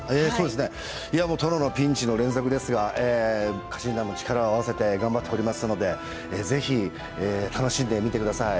殿のピンチの連続ですが家臣団も力を合わせて頑張っておりますので、ぜひ楽しんでみてください。